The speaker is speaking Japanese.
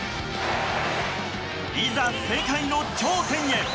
いざ、世界の頂点へ！